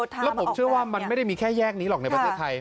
แล้วผมเชื่อว่ามันไม่ได้มีแค่แยกนี้หรอกในประเทศไทย